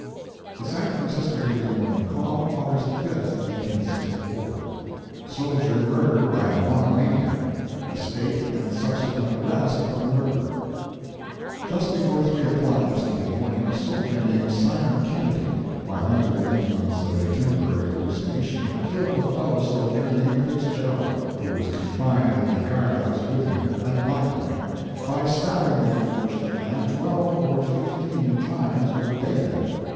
The San Francisco Daily Morning Call, August 5, 1864 SOLDIER MURDERED BY A MONOMANIAC ESCAPE AND SUBSEQUENT ARREST OF THE MURDERER Just before three o'clock yesterday morning, a soldier named Simon Kennedy, while under the influence of a temporary hallucination, killed a fellow soldier named Fitzgerald, who was confined in the guard house with him, at Black Point, by stabbing the unfortunate man twelve or fifteen times with a bayonet.